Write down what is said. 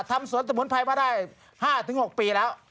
ทำสวนสมุนไพรมาได้๕๖ปีแล้ว